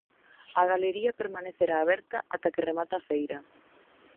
A galería permanecerá aberta ata que remate a feira.